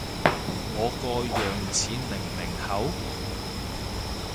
我個樣似零零後？